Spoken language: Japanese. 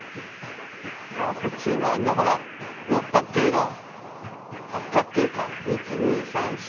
うわっこっちにもあんなほら六角形の八角形か。